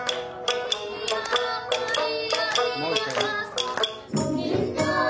もう一回ね。